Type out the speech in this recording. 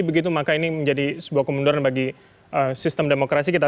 begitu maka ini menjadi sebuah kemunduran bagi sistem demokrasi kita